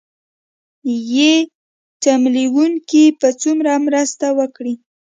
ې تمويلوونکي به څومره مرسته وکړي